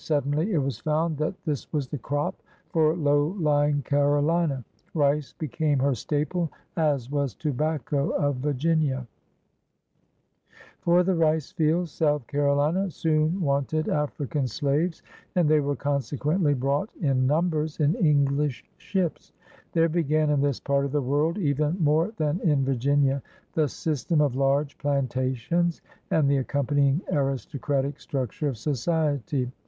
Suddenly it was found that this was the crop for low lying Carolina. Rice became her staple, as was tobacco of Virginia. THE CAROLINAS 209 For the rice fields South Carolina soon wanted African slaves, and they were consequently brought in numbers, in English ships. There b^an, in this part of the world, even more than in Virginia, the system of large plantations and the accompanying aristocratic structure of society.